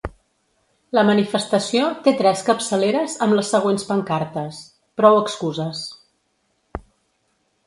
La manifestació té tres capçaleres amb les següents pancartes: Prou excuses.